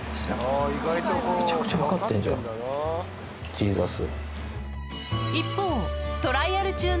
ジーザス。